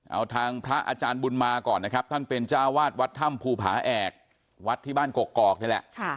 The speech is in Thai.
เอาทางพระอาจารย์บุญมาก่อนนะครับท่านเป็นเจ้าวาดวัดถ้ำภูผาแอกวัดที่บ้านกกอกนี่แหละ